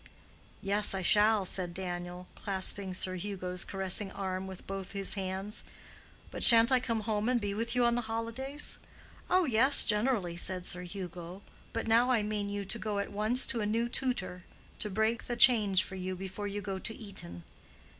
"Yes, I shall," said Daniel, clasping Sir Hugo's caressing arm with both his hands. "But sha'n't I come home and be with you in the holidays?" "Oh yes, generally," said Sir Hugo. "But now I mean you to go at once to a new tutor, to break the change for you before you go to Eton."